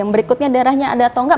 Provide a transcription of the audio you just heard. berikutnya darahnya ada atau enggak